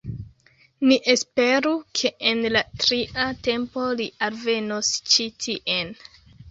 Ni esperu ke en la tria tempo li alvenos ĉi tien